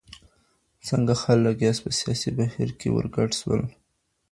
څنګه خلګ په سياسي بهير کي ورګډ سول؟